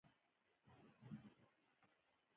فاسټ فوډ څه زیان لري؟